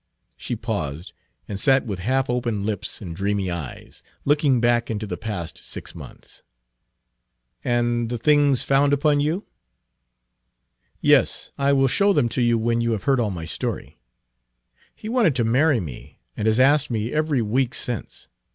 She paused, and sat with half opened lips and dreamy eyes, looking back into the past six months. "And the things found upon you" "Yes, I will show them to you when you have heard all my story. He wanted to marry me, and has asked me every week since.